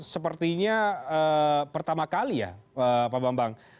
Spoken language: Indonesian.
sepertinya pertama kali ya pak bambang